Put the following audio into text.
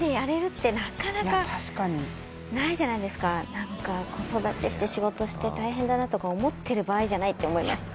なんか子育てして仕事して大変だなとか思ってる場合じゃないって思いました。